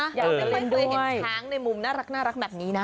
อย่าไปเล่นด้วยเห็นช้างในมุมน่ารักแบบนี้นะ